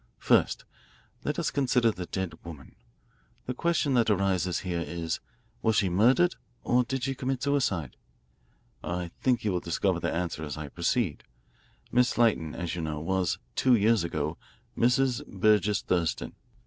"First, let us consider the dead woman. The question that arises here is, Was she murdered or did she commit suicide? I think you will discover the answer as I proceed. Miss Lytton, as you know, was, two years ago, Mrs. Burgess Thurston.